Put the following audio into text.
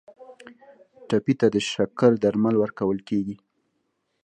ټپي ته د شکر درمل ورکول کیږي.